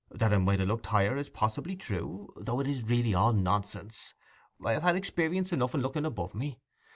That I might ha' looked higher is possibly true, though it is really all nonsense. I have had experience enough in looking above me.